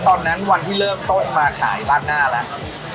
ตอนนั้นวันที่เริ่มโต๊ะมาขายราดหน้าแล้ว